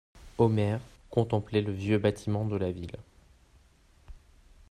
Omer contemplait le vieux bâtiment de la Ville.